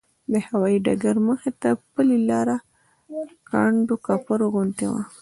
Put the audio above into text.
د هوایي ډګر مخې ته پلې لاره کنډوکپر غوندې وه.